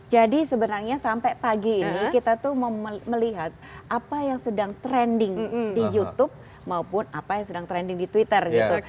jadi sebenarnya sampai pagi ini kita tuh mau melihat apa yang sedang trending di youtube maupun apa yang sedang trending di twitter gitu